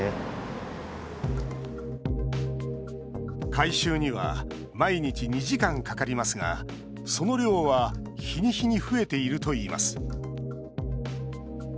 回収には毎日２時間かかりますがその量は日に日に増えているといいます。